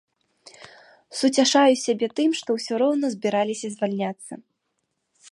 Суцяшаю сябе тым, што ўсё роўна збіралася звальняцца.